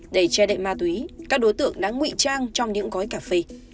để che đậy ma túy các đối tượng đã ngụy trang trong những gói cà phê